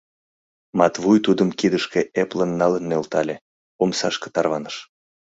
Матвуй тудым кидышке эплын налын нӧлтале, омсашке тарваныш.